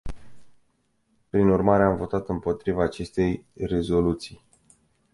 Prin urmare, am votat împotriva acestei rezoluții.